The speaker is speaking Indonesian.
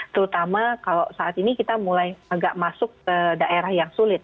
terutama kalau saat ini kita mulai agak masuk ke daerah yang sulit